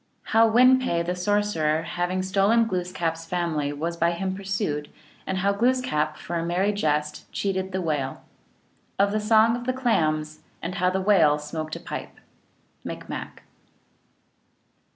How Win pe the Sorcerer, having stolen Glooskap s Family \ was by him pursued, and how Glooskap for a Merry Jest cheated the Whale. Of the Song of the Clams, and how the Whale smoked a Pipe. (Micmac.)